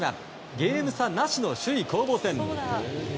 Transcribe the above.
ゲーム差なしの首位攻防戦。